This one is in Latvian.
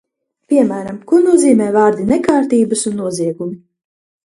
"Piemēram, ko nozīmē vārdi "nekārtības un noziegumi"?"